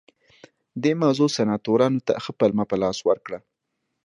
دې موضوع سناتورانو ته ښه پلمه په لاس ورکړه